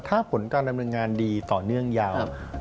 ถ้าผลการดำเนินงานดีต่อเนื่องยาว